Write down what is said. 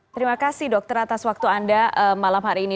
terima kasih dokter atas waktu anda malam hari ini